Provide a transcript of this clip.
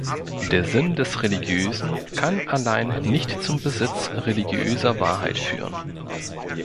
Der „Sinn des Religiösen“ kann allein nicht zum Besitz religiöser Wahrheit führen.